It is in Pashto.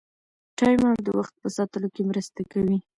ټایمر د وخت په ساتلو کې مرسته کوي.